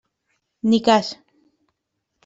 Ni cas.